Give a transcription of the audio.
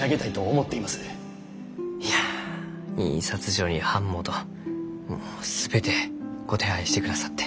いや印刷所に版元もう全てご手配してくださって。